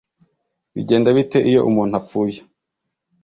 bigenda bite iyo umuntu apfuye